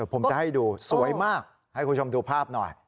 ผมจะให้ดูสวยมากให้คุณผู้ชมดูภาพหน่อย